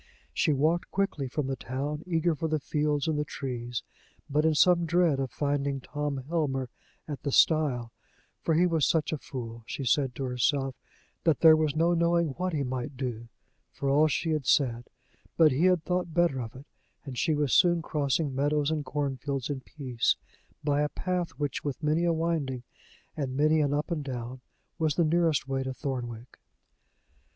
She walked quickly from the town, eager for the fields and the trees, but in some dread of finding Tom Helmer at the stile; for he was such a fool, she said to herself, that there was no knowing what he might do, for all she had said; but he had thought better of it, and she was soon crossing meadows and cornfields in peace, by a path which, with many a winding, and many an up and down, was the nearest way to Thornwick.